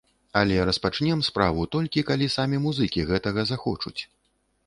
Але распачнем справу, толькі калі самі музыкі гэтага захочуць.